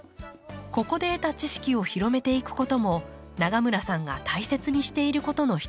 ここで得た知識を広めていくことも永村さんが大切にしていることの一つです。